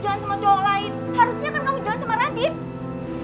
harusnya kan kamu jalan sama radit